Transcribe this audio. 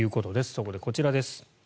そこでこちらです。